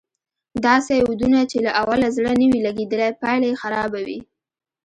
داسې ودونه چې له اوله زړه نه وي لګېدلی پايله یې خرابه وي